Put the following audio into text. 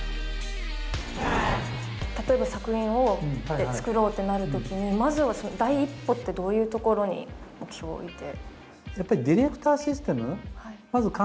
例えば作品を作ろうってなるときにまずは第一歩ってどういうところに目標を置いて？